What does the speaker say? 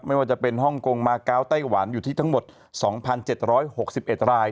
ไม่ว่าจะเป็นฮ่องกงมา๙ไต้หวันอยู่ที่ทั้งหมด๒๗๖๑ราย